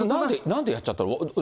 なんでやっちゃったの？